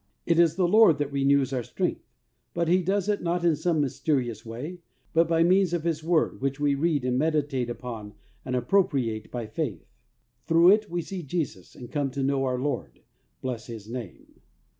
It is the Lord that renews our strength, but He does it not in some mysterious way, but by means of His Word, which we read and meditate upon and appropriate by faith. Through it we see Jesus and come to know our Lord. Bless His name!